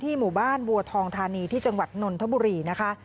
หมู่บ้านบัวทองธานีที่จังหวัดนนทบุรีนะคะ